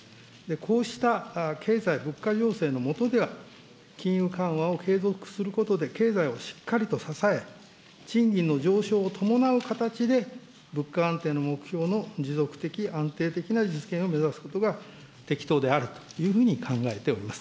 こうした経済物価情勢のもとでは、金融緩和を継続することで経済をしっかりと支え、賃金の上昇を伴う形で物価安定の目標の持続的、安定的な実現を目指すことが適当であるというふうに考えておりま